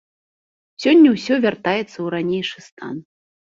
Сёння ўсё вяртаецца ў ранейшы стан.